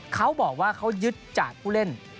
เขาบอกว่าเขายึดจากผู้เล่น